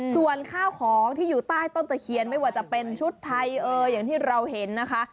ส่วนข้าวของที่อยู่ใต้ต้นตะเคียนไม่ว่าจะเป็นชุดไทยอย่างที่เราเห็นนะคะ